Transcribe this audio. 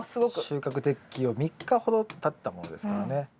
収穫適期を３日ほどたったものですからね。